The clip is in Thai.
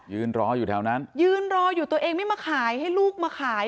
ยืนรออยู่แถวนั้นยืนรออยู่ตัวเองไม่มาขายให้ลูกมาขาย